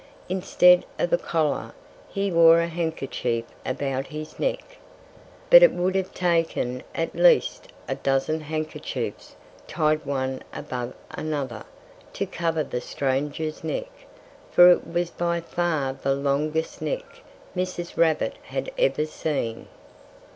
Instead of a collar, he wore a handkerchief about his neck. But it would have taken at least a dozen handkerchiefs, tied one above another, to cover the stranger's neck; for it was by far the longest neck Mrs. Rabbit had ever seen.